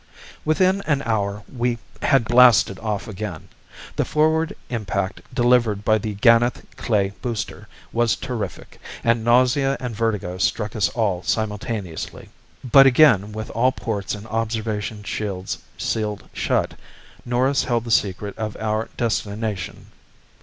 Within an hour we had blasted off again. The forward impact delivered by the Ganeth Klae booster was terrific, and nausea and vertigo struck us all simultaneously. But again, with all ports and observation shields sealed shut, Norris held the secret of our destination.